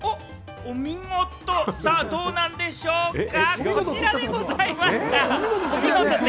お見事か、どうなんでしょうか？